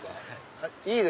はい。